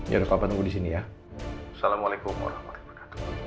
ya udah papa tunggu di sini ya assalamualaikum warahmatullahi wabarakatuh